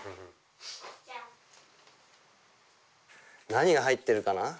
何が入ってるかな？